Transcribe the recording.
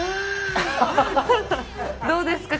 どうですか？